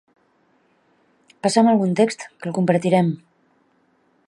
Passa'm algun text, que el compartirem.